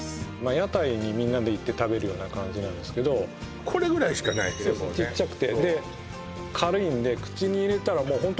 屋台にみんなで行って食べるような感じなんですけどこれぐらいしかないもうねちっちゃくてで軽いんでそうなのよ